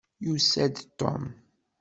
Yusa-d Tom.